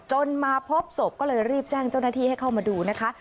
มาพบศพก็เลยรีบแจ้งเจ้าหน้าที่ให้เข้ามาดูนะคะ